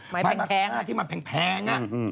ไม้มะค่าที่มันแพง